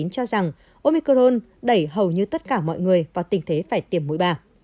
cho rằng omicron đẩy hầu như tất cả mọi người vào tình thế phải tiềm mũi ba